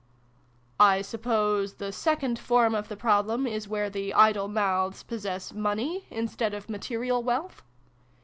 " I suppose the second form of the problem is where the ' idle mouths ' possess money in stead of material wealth